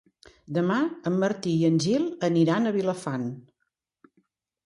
Demà en Martí i en Gil aniran a Vilafant.